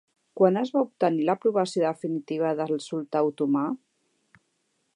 Quan es va obtenir l'aprovació definitiva del sultà otomà?